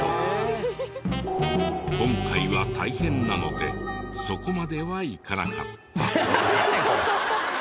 今回は大変なのでそこまでは行かなかった。